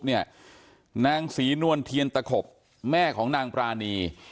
นางศรีนวลเทียนตะขบแม่ของนางปรานี